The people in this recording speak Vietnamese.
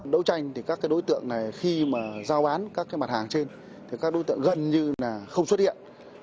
đấu tranh thì các đối tượng này khi mà giao bán các mặt hàng trên thì các đối tượng gần như là không xuất hiện